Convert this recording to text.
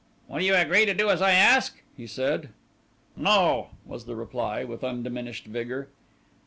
"Will you agree to do as I ask?" he said. "No," was the reply with undiminished vigour.